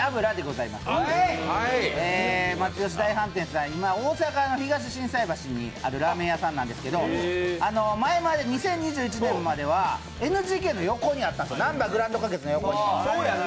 大飯店さん、今、大阪の東心斎橋にあるラーメン屋さんなんですけど、前まで２０２１年まではＮＧＫの横にあった、なんばグランド花月の横に。